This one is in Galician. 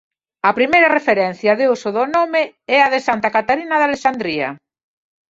A primeira referencia de uso do nome é a de Santa Catarina de Alexandría.